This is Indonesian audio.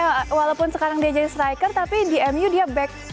oh walaupun sekarang dia jadi striker tapi di mu dia back